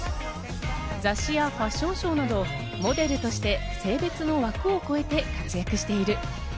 雑誌やファッションショーなどモデルとして性別の枠を越えて活躍している。